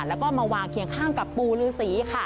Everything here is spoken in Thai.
แล้วก็มาวางเคียงข้างกับปูลือสีค่ะ